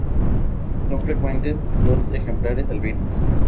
Son frecuentes los ejemplares albinos.